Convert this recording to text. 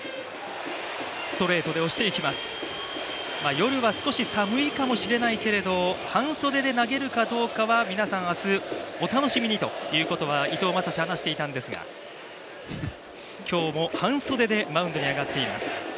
夜は少し寒いかもしれないけれど、半袖で投げるかどうかは皆さん、明日お楽しみにということは伊藤将司話していたんですが今日も半袖でマウンドに上がっています。